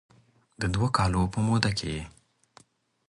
د دوه کالو په موده کې یې